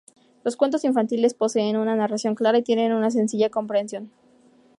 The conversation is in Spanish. Los cuentos infantiles poseen una narración clara y tienen una sencilla comprensión.